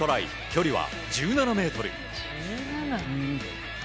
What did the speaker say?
距離は１７ｍ。